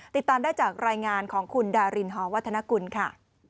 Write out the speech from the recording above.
ติดตามได้จากรายงานของคุณดารินหอวัฒนกุลค่ะ